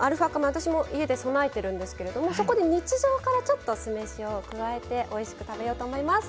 私も家で備えてるんですけれどもそこで日常からちょっと酢飯を加えておいしく食べようと思います。